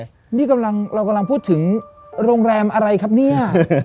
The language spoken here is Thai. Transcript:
นี่กำลังเรากำลังพูดถึงโรงแรมอะไรครับเนี่ย